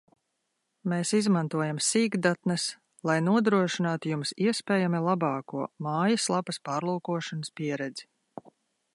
Mēs izmantojam sīkdatnes, lai nodrošinātu Jums iespējami labāko mājaslapas pārlūkošanas pieredzi